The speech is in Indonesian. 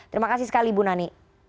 terima kasih sekali ibu nani